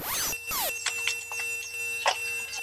پر خاوند باندي د ميرمني مالي حق څه شی دی؟